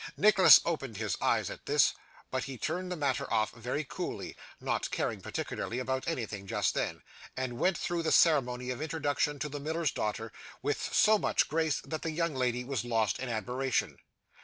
Nicholas opened his eyes at this, but he turned the matter off very coolly not caring, particularly, about anything just then and went through the ceremony of introduction to the miller's daughter with so much grace, that that young lady was lost in admiration.